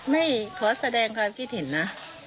ไม่ขอแสดงความคิดเห็นนะ